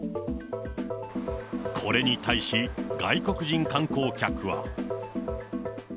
これに対し外国人観光客は。